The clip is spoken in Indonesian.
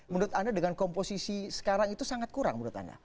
menurut anda dengan komposisi sekarang itu sangat kurang menurut anda